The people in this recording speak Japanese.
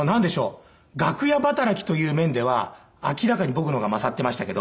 楽屋働きという面では明らかに僕の方が勝ってましたけど。